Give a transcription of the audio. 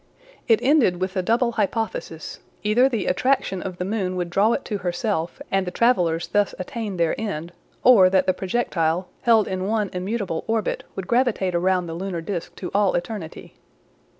It ended with the double hypothesis: either the attraction of the moon would draw it to herself, and the travelers thus attain their end; or that the projectile, held in one immutable orbit, would gravitate around the lunar disc to all eternity.